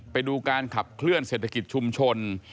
ไปดูการขับเคลื่อนเศรษฐกิจชุมชน